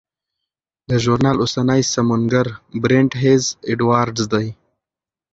د ژورنال اوسنی سمونګر برینټ هیز اډوارډز دی.